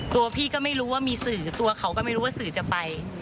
ตัวพี่ก็ไม่รู้ว่ามีสื่อตัวเขาก็ไม่รู้ว่าสื่อจะไป